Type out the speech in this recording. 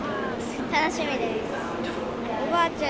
楽しみです。